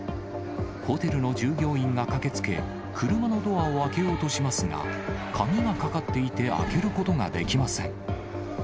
ホテルの従業員が駆けつけ、車のドアを開けようとしますが、鍵がかかっていて開けることができません。